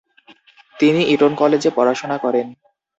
তিনি ইটন কলেজে পড়াশোনা করেন।